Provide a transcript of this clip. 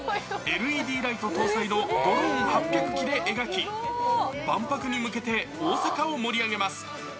ＬＥＤライト搭載のドローン８００機で描き、万博に向けて、大阪を盛り上げます。